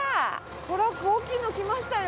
トラック大きいの来ましたよ。